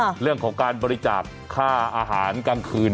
ซึ่งเรื่องของการบริจาปฆาจกลางคืน